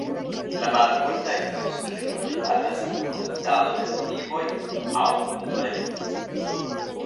La malmulta industrio rilatas al produktado de olivoj aŭ olivoleo.